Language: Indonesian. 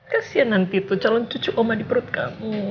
kasian nanti tuh calon cucu oma di perut kamu